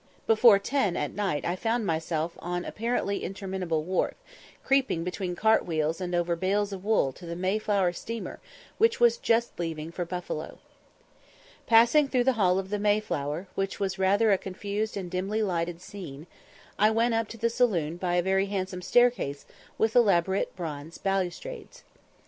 Before ten at night I found myself on an apparently interminable wharf, creeping between cart wheels and over bales of wool to the Mayflower steamer, which was just leaving for Buffalo. Passing through the hall of the Mayflower, which was rather a confused and dimly lighted scene, I went up to the saloon by a very handsome staircase with elaborate bronze balustrades.